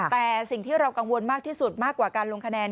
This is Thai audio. แต่สิ่งที่เรากังวลมากที่สุดมากกว่าการลงคะแนน